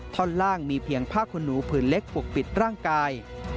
ท่อนล่างมีเพียงผ้าขนหนูผืนเล็กปกปิดร่างกาย